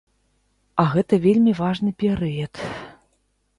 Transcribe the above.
А гэта вельмі важны перыяд.